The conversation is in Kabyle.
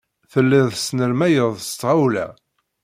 Tellid tesmernayed s tɣawla.